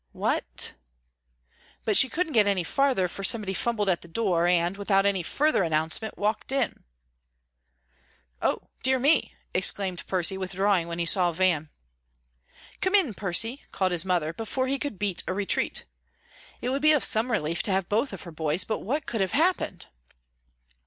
"What " but she couldn't get any farther, for somebody fumbled at the door, and, without any further announcement, walked in. "O dear me!" exclaimed Percy, withdrawing when he saw Van. "Come in, Percy," called his mother, before he could beat a retreat. It would be some relief to have both of her boys, but what could have happened!